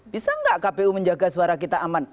bisa nggak kpu menjaga suara kita aman